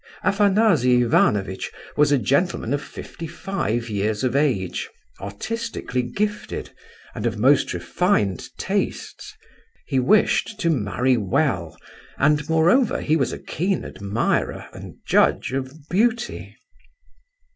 Afanasy Ivanovitch was a gentleman of fifty five years of age, artistically gifted, and of most refined tastes. He wished to marry well, and, moreover, he was a keen admirer and judge of beauty.